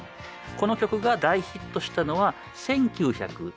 この曲が大ヒットしたのは１９７９年。